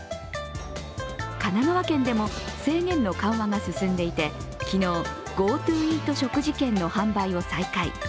神奈川県でも制限の緩和が進んでいて昨日、ＧｏＴｏイート食事券の販売を再開。